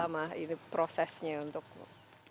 itu berapa lama itu prosesnya untuk rekognisinya